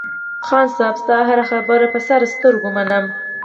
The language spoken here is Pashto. خان صاحب ستا هره خبره په سر سترگو منم.